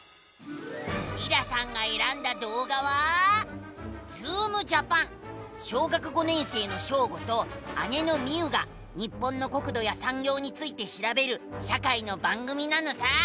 りらさんがえらんだどうがは小学５年生のショーゴと姉のミウが日本の国土やさんぎょうについてしらべる社会の番組なのさ！